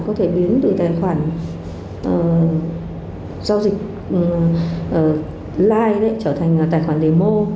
có thể biến từ tài khoản giao dịch live trở thành tài khoản demo